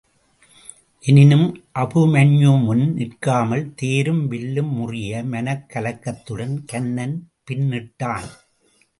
எனினும் அபிமன்யுமுன் நிற்காமல் தேரும் வில்லும் முறிய மனக் கலக்கத்துடன் கன்னன் பின்னிட்டான்.